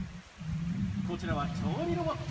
こちらは調理ロボット。